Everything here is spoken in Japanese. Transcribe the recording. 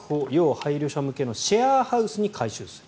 配慮者向けのシェアハウスに改修する。